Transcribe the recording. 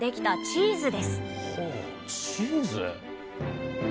チーズ？